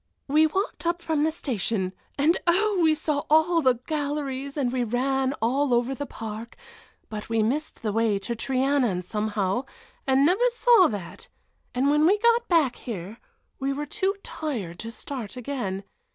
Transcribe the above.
"We walked up from the station, and oh! we saw all the galleries and we ran all over the park, but we missed the way to Trianon somehow and never saw that, and when we got back here we were too tired to start again.